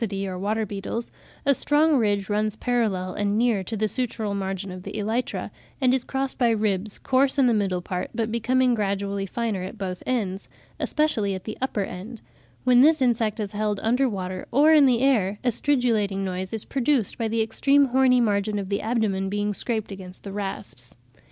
In Pelobius Hermanni (one of Dytiscidae or water beetles) a strong ridge runs parallel and near to the sutural margin of the elytra, and is crossed by ribs, coarse in the middle part, but becoming gradually finer at both ends, especially at the upper end; when this insect is held under water or in the air, a stridulating noise is produced by the extreme horny margin of the abdomen being scraped against the rasps.